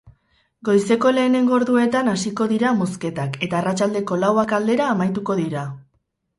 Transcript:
Goizeko lehenengo orduetan hasiko dira mozketak eta arratsaldeko lauak aldera amaituko dira.